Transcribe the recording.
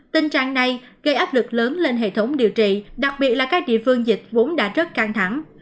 tình trạng này gây áp lực lớn lên hệ thống điều trị đặc biệt là các địa phương dịch vốn đã rất căng thẳng